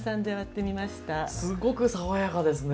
すごく爽やかですね！